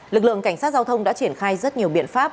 lực lượng cảnh sát giao thông đã triển khai rất nhiều biện pháp